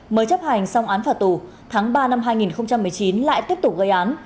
mới chấp hành xong án phạt tù tháng ba năm hai nghìn một mươi chín lại tiếp tục gây án